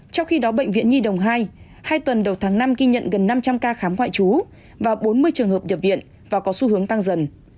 trong khi đó bệnh viện nhi đồng hai hai tuần đầu tháng năm ghi nhận gần năm trăm linh ca khám ngoại trú và bốn mươi trường hợp nhập viện và có xu hướng tăng dần